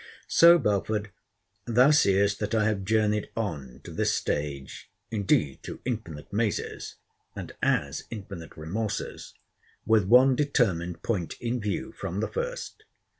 So, Belford, thou seest that I have journeyed on to this stage [indeed, through infinite mazes, and as infinite remorses] with one determined point in view from the first.